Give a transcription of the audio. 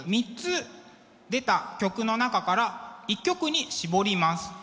３つ出た曲の中から１曲に絞ります。